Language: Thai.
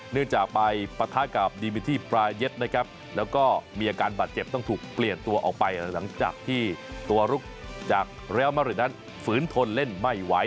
เนื่องจากไปปะทะกับดีมิทีปลาเย็ดนะครับแล้วก็มีอาการบาดเจ็บต้องถูกเปลี่ยนตัวออกไปหลังจากที่ตัวลุกจากเรียลมาริดนั้นฝืนทนเล่นไม่ไหว